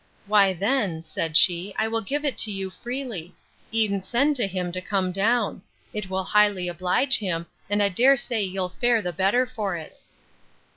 Why then, said she, I will give it you freely; E'en send to him to come down. It will highly oblige him, and I dare say you'll fare the better for it.